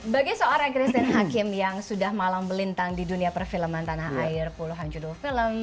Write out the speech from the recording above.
bagi seorang christine hakim yang sudah malang melintang di dunia perfilman tanah air puluhan judul film